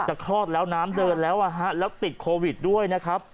แต่คลอดแล้วน้ำเดินแล้วแล้วติดโควิดด้วยนะครับ